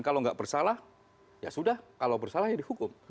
kalau nggak bersalah ya sudah kalau bersalah ya dihukum